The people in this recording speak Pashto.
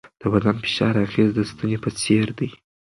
د بدن فشار اغېز د ستنې په څېر دی.